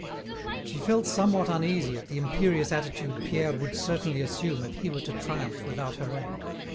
She felt somewhat uneasy at the imperious attitude Pierre would certainly assume if he were to triumph without her aid.